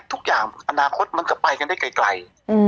ทุกอย่างอนาคตมันก็ไปกันได้ไกล